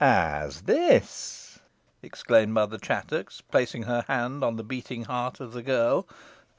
"How's this?" exclaimed Mother Chattox, placing her hand on the beating heart of the girl.